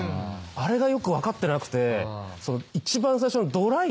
あれがよく分かってなくて。